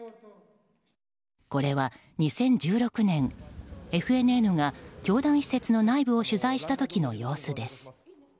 これは２０１６年ＦＮＮが教団施設の内部を取材した時の様子です。